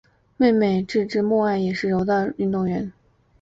妹妹志志目爱也是柔道运动员。